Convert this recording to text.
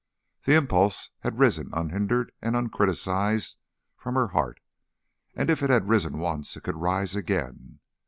The impulse had risen unhindered and uncriticised from her heart, and if it had risen once it could rise again.